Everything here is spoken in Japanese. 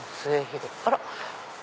あら！